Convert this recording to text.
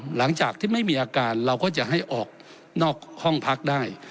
หลังจากที่ไม่มีอาการเราก็จะให้ออกนอกห้องพักได้